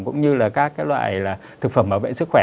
cũng như là các loại thực phẩm bảo vệ sức khỏe